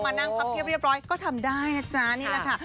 มานั่งพับเรียบก็ทำได้นะจ๊ะนี่แหละค่ะ